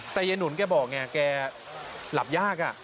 แต่ยายหนุนแกบอกไงแกหลับยาก